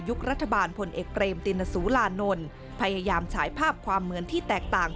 รัฐบาลพลเอกเรมตินสุรานนท์พยายามฉายภาพความเหมือนที่แตกต่าง